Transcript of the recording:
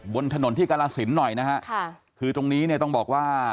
บนถนนที่กรสินหน่อยนะฮะค่ะคือตรงนี้เนี่ยต้องบอกว่า